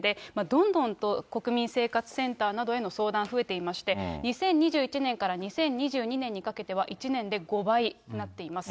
どんどんと国民生活センターなどへの相談増えていまして、２０２１年から２０２２年にかけては、１年で５倍となっています。